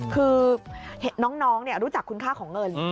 คือน้องรู้จักคุณค่าของเงิน